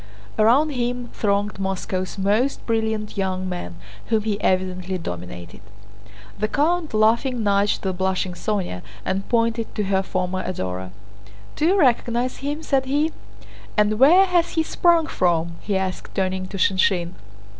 Around him thronged Moscow's most brilliant young men, whom he evidently dominated. The count, laughing, nudged the blushing Sónya and pointed to her former adorer. "Do you recognize him?" said he. "And where has he sprung from?" he asked, turning to Shinshín.